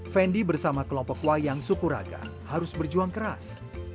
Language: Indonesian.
fendi bersama kelompok wayang sukur raga harus berjuang keras